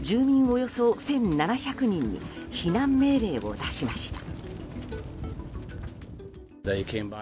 およそ１７００人に避難命令を出しました。